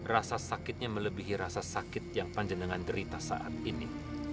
rasa sakitnya melebihi rasa sakit yang panjenengan derita saat ini